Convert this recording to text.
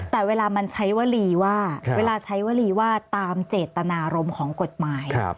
แต่เวลามันใช้วลีว่าตามเจตนารมณ์ของกฎหมาย